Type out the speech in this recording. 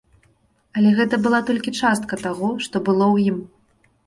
Але гэта была толькі частка таго, што было ў ім.